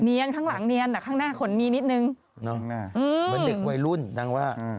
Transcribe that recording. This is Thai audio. มีขนละแค้ง